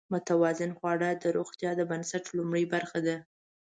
متوازن خواړه د روغتیا د بنسټ لومړۍ برخه ده.